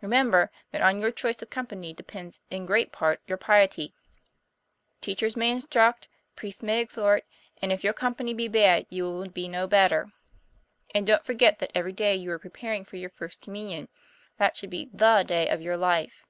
Remember, that on your choice of company depends in great part your piety. Teachers may instruct, priests may exhort, but if your company be bad you will be no better. And don't forget that every day you are preparing for your First Communion. That should be the day of your life.